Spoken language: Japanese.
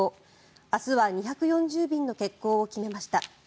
明日は２４０便の欠航を決めました。